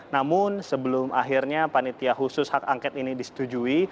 namun sebelum akhirnya panitia khusus hak angket ini disetujui